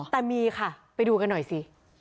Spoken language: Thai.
แต่มีค่ะไปดูกันหน่อยสิ